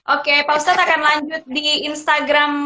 oke pak ustadz akan lanjut di instagram